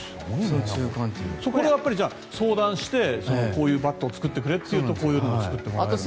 これは相談してこういうバットを作ってくれと言ってこういうのを作ってもらえると。